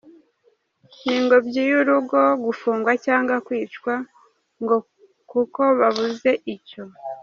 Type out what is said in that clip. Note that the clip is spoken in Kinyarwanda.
n’ingobyi y’urugo, gufungwa cyanga kwicwa ngo kuko babuze icyo